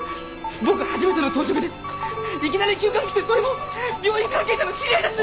僕初めての当直でいきなり急患来てそれも病院関係者の知り合いだと。